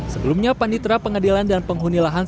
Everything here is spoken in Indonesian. sebelumnya panitra pengadilan dan penghuni lahan